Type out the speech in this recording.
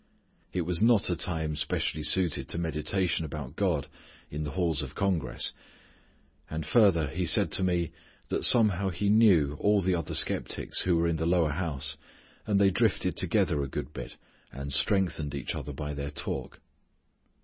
It was not a time specially suited to meditation about God in the halls of congress. And further he said to me that somehow he knew all the other skeptics who were in the lower house and they drifted together a good bit and strengthened each other by their talk.